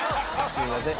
すいません